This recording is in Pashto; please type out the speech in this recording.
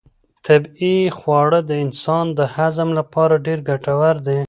طبیعي خواړه د انسان د هضم لپاره ډېر ګټور دي.